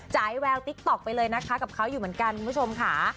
แววติ๊กต๊อกไปเลยนะคะกับเขาอยู่เหมือนกันคุณผู้ชมค่ะ